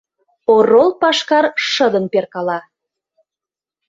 Орол пашкар шыдын перкала.